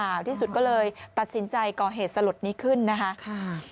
อื่นหรือเปล่าที่สุดก็เลยตัดสินใจก่อเหตุสลดนี้ขึ้นนะครับ